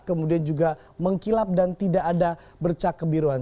kemudian juga mengkilap dan tidak ada bercak kebiruan